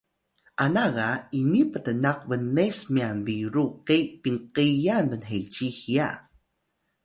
ana ga ini ptnaq bnes myan biru ke pinqiyan bnheci hiya